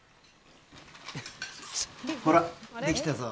ほら、できたぞ。